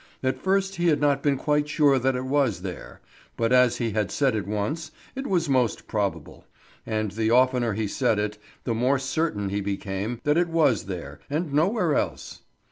At first he had not been quite sure that it was there; but as he had said it once, it was most probable; and the oftener he said it, the more certain he became that it was there and nowhere else.